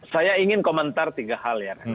saya ingin komentar tiga hal ya